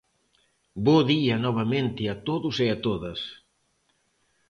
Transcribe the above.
Bo día novamente a todos e a todas.